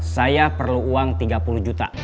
saya perlu uang tiga puluh juta